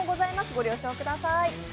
ご了承ください。